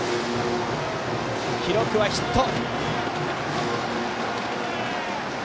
記録はヒット。